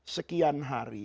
lima ratus sekian hari